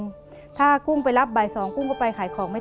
เปลี่ยนเพลงเพลงเก่งของคุณและข้ามผิดได้๑คำ